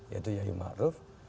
yaitu yayu ma'ruf